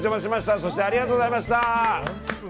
そして、ありがとうございました。